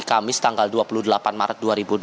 kamis tanggal dua puluh delapan maret dua ribu dua puluh